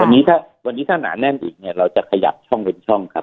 วันนี้ถ้าวันนี้ถ้าหนาแน่นอีกเนี่ยเราจะขยับช่องเป็นช่องครับ